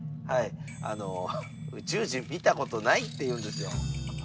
はいあの宇宙人見たことないって言うんですよ。